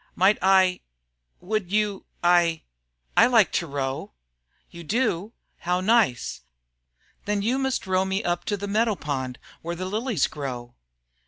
"Might I would you I I like to row." "You do? How nice! Then you must row me up to the meadow pond where the lilies grow."